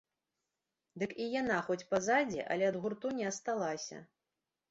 Дык і яна хоць па задзе, але ад гурту не асталася.